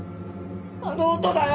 あの音だよ！